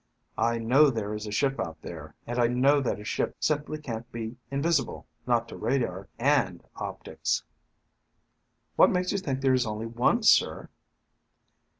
"I know there is a ship out there, and I know that a ship simply can't be invisible, not to radar and optics." "What makes you sure there is only one, sir?"